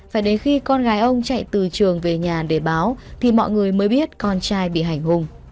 phải đến khi con gái ông chạy từ trường về nhà để báo thì mọi người mới biết con trai bị hành hùng